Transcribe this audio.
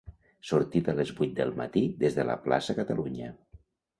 Sortida a les vuit del matí des de la Plaça Catalunya.